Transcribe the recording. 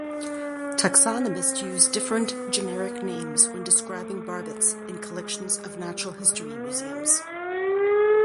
Taxonomists used different generic names when describing barbets in collections of natural history museums.